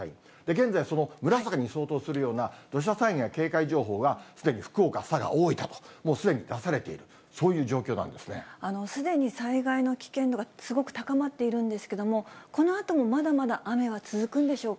現在、その紫に相当するような土砂災害警戒情報がすでに福岡、佐賀、大分と、もうすでに出されすでに災害の危険度がすごく高まっているんですけれども、このあともまだまだ雨は続くんでしょうか？